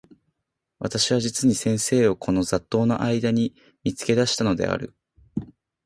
私は実に先生をこの雑沓（ざっとう）の間（あいだ）に見付け出したのである。